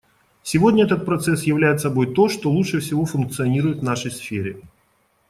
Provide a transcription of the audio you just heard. Сегодня этот процесс являет собой то, что лучше всего функционирует в нашей сфере.